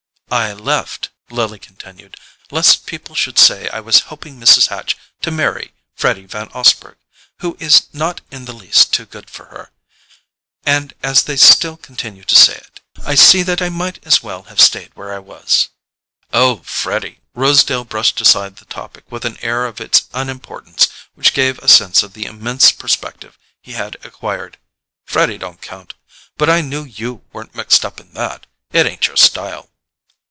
"I left," Lily continued, "lest people should say I was helping Mrs. Hatch to marry Freddy Van Osburgh—who is not in the least too good for her—and as they still continue to say it, I see that I might as well have stayed where I was." "Oh, Freddy——" Rosedale brushed aside the topic with an air of its unimportance which gave a sense of the immense perspective he had acquired. "Freddy don't count—but I knew YOU weren't mixed up in that. It ain't your style."